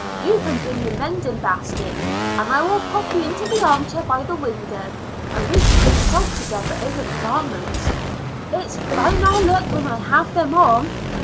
You can bring your mending basket, and I will pop you into the arm chair by the window, and we can consult together over the garments. It's fine I'll look when I have them on.